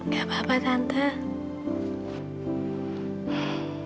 gak apa apa tante